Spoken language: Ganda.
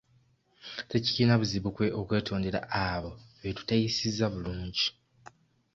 Tekirina buzibu okwetondera abo be tutayisizza bulungi.